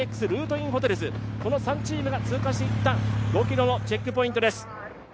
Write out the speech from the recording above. この３チームが通過していった５ｋｍのチェックポイントです。